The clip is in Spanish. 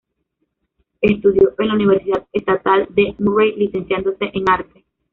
Estudió en la Universidad estatal de Murray, licenciándose en Arte.